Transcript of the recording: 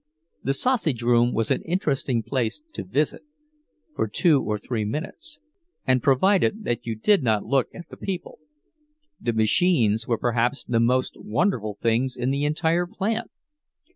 The sausage room was an interesting place to visit, for two or three minutes, and provided that you did not look at the people; the machines were perhaps the most wonderful things in the entire plant.